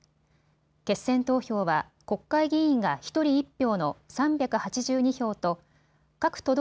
決選投票は国会議員が１人１票の３８２票と各都道